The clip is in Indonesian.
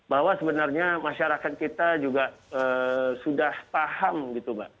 bahwa sebenarnya masyarakat kita juga sudah paham gitu mbak